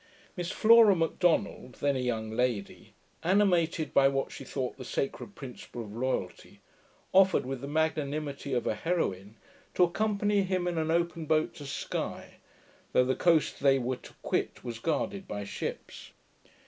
Miss Flora Macdonald, then a young lady, animated by what she thought the sacred principle of loyalty, offered, with the magnanimity of a heroine, to accompany him in an open boat to Sky, though the coast they were to quit was guarded by ships.